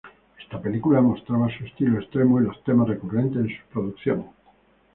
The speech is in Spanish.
Esta película mostraba su estilo extremo y los temas recurrentes en sus producciones.